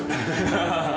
ハハハ。